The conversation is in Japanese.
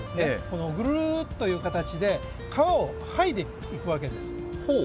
このグルーッという形で皮を剥いでいくわけです。